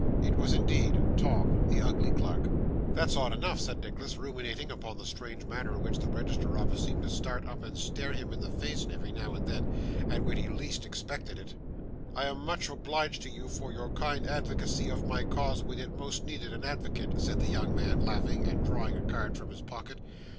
It was, indeed, Tom, the ugly clerk. 'That's odd enough!' said Nicholas, ruminating upon the strange manner in which the register office seemed to start up and stare him in the face every now and then, and when he least expected it. 'I am much obliged to you for your kind advocacy of my cause when it most needed an advocate,' said the young man, laughing, and drawing a card from his pocket.